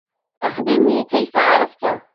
أخبرني, كيف عرفتَ ؟